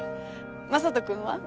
雅人君は？